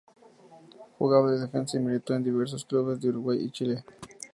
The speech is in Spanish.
Jugaba de defensa y militó en diversos clubes de Uruguay y Chile.